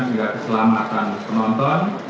sehingga keselamatan penonton